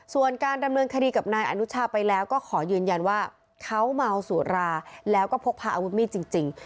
ส่วนการดำเนินคดีกับนายอนุชาไปแล้วก็ขอยืนยันว่าเขาเมาสุราแล้วก็พกพาอาวุธมีดจริง